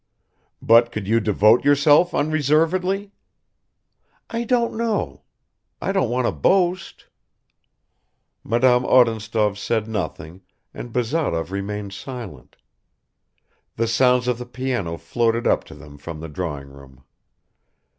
"But could you devote yourself unreservedly?" "I don't know. I don't want to boast." Madame Odintsov said nothing and Bazarov remained silent. The sounds of the piano floated up to them from the drawing room.